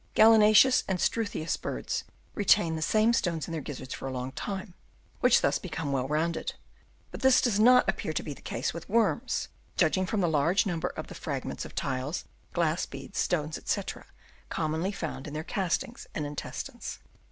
Gallinaceous and struthious birds retain the same stones in their gizzards for a long time, which thus become well rounded ; but this does not appear to be the case with worms, judging from the large number of the fragments of tiles, glass beads, stones, &c, commonly found in their castings and intestines.